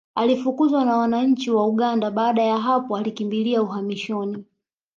Alifukuzwa na wananchi wa Uganda baada ya hapo alikimbilia uhamishoni